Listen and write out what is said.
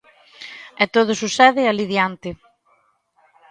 E todo sucede alí diante.